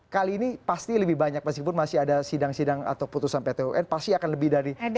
kali ini pasti lebih banyak meskipun masih ada sidang sidang atau putusan pt un pasti akan lebih dari